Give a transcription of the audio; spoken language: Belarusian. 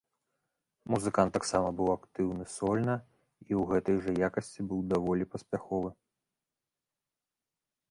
Музыкант таксама быў актыўны сольна і ў гэтай жа якасці быў даволі паспяховы.